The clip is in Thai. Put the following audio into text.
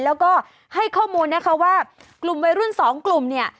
แล้วก็ให้ข้อมูลนะคะว่ากลุ่มวัยรุ่นสองกลุ่มเนี่ย